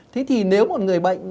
thế thì nếu một người bệnh